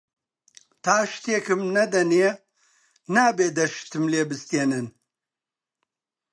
تا شتێکم نەدەنێ نابێ دە شتم لێ بستێنن